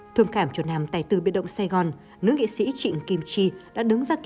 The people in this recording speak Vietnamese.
thương cảm cho nàm tài tư biệt động sài gòn nữ nghệ sĩ trịnh kim chi đã đứng ra kêu gọi